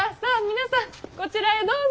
皆さんこちらへどうぞ。